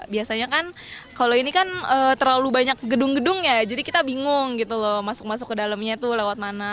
biasanya kan kalau ini kan terlalu banyak gedung gedung ya jadi kita bingung gitu loh masuk masuk ke dalamnya tuh lewat mana